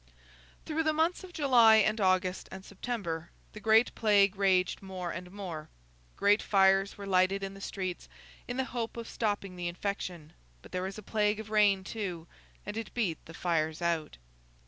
Through the months of July and August and September, the Great Plague raged more and more. Great fires were lighted in the streets, in the hope of stopping the infection; but there was a plague of rain too, and it beat the fires out.